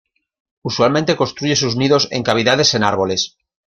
Usualmente construyen sus nidos en cavidades en árboles.